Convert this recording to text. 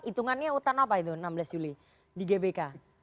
hitungannya utang apa itu enam belas juli di gbk